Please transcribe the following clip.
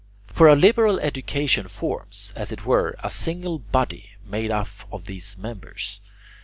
For a liberal education forms, as it were, a single body made up of these members.